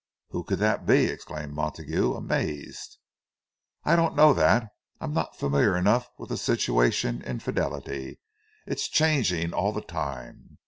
"Who could that be?" exclaimed Montague, amazed. "I don't know that. I'm not familiar enough with the situation in the Fidelity—it's changing all the time.